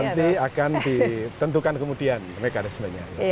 nanti akan ditentukan kemudian mekanismenya